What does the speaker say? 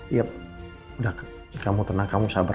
ya udah kamu tenang kamu sabar